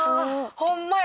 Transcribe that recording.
ホンマや。